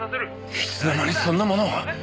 いつの間にそんなものを。